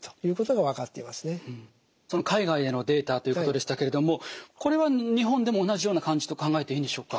海外でのデータということでしたけれどもこれは日本でも同じような感じと考えていいんでしょうか？